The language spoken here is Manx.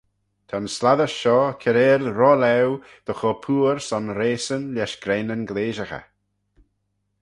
Ta'n slattys shoh kiarail rolaue dy chur pooar son raceyn lesh greinyn gleashaghey.